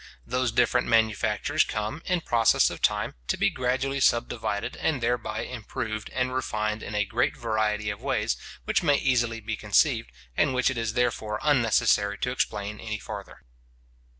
Those different manufactures come, in process of time, to be gradually subdivided, and thereby improved and refined in a great variety of ways, which may easily be conceived, and which it is therefore unnecessary to explain any farther.